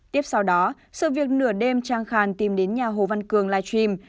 tiếp sau đó sự việc nửa đêm trang khàn tìm đến nhà hồ văn cường live stream